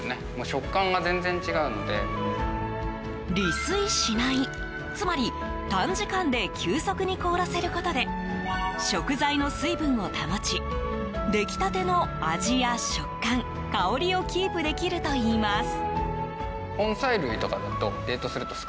離水しない、つまり短時間で急速に凍らせることで食材の水分を保ち出来たての味や食感、香りをキープできるといいます。